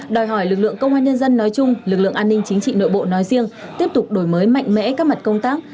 đòi hỏi lực lượng công an nhân dân nói chung lực lượng an ninh chính trị nội bộ nói riêng tiếp tục đổi mới mạnh mẽ các mặt công tác